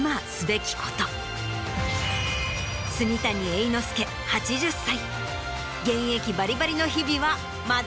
住谷栄之資８０歳。